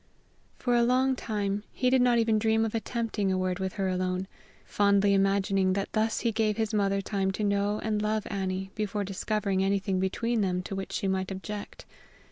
For a long time he did not even dream of attempting a word with her alone, fondly imagining that thus he gave his mother time to know and love Annie before discovering anything between them to which she might object.